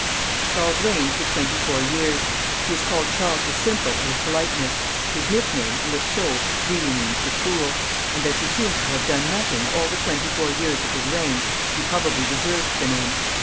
Charles reigned for twenty four years. He is called ^Charles the Simple out of politeness ; his nickname, Le Sot, really means the Fool, and as he seems to have done nothing all the twenty four years of his reign, he prob ably deserved the name.